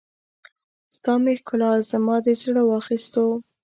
ستا مې ښکلا، زما دې زړه واخيستو